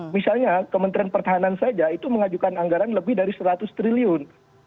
misalnya kementerian pertahanan saja itu mengajukan anggaran lebih dari seratus triliun